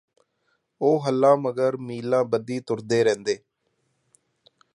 ਉਹ ਹਲਾਂ ਮਗਰ ਮੀਲਾਂ ਬੱਧੀ ਤੁਰਦੇ ਰਹਿੰਦੇ